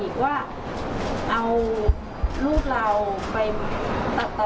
ครับ